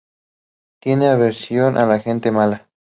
Tiene aversión a la gente mala.